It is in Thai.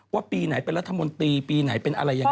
ปีไหนเป็นรัฐมนตรีปีไหนเป็นอะไรยังไง